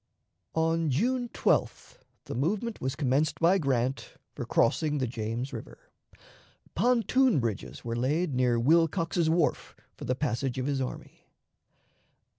On June 12th the movement was commenced by Grant for crossing the James River. Pontoon bridges were laid near Wilcox's Wharf for the passage of his army.